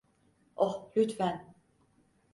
Oh, lütfen.